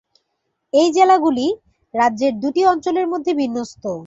এই জেলাগুলি রাজ্যের দুটি অঞ্চলের মধ্যে বিন্যস্ত।